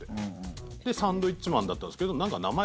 でサンドウィッチマンだったんですけど。